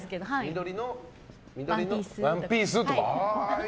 緑のワンピースとか。